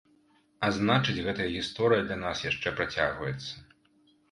А значыць, гэтая гісторыя для нас яшчэ працягваецца.